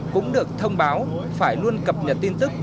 cũng được thông báo phải luôn cập nhật tin tức